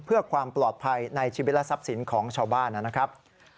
เพื่อความปลอดภัยในชีวิตและทรัพย์สินของชาวบ้านนะครับ